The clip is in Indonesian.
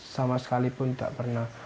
sama sekali pun tidak pernah